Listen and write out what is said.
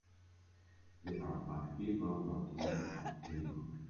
There are five people working at a table.